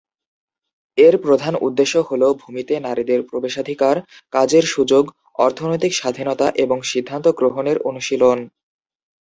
এর প্রধান উদ্দেশ্য হল ভূমিতে নারীদের প্রবেশাধিকার, কাজের সুযোগ, অর্থনৈতিক স্বাধীনতা এবং সিদ্ধান্ত গ্রহণের অনুশীলন।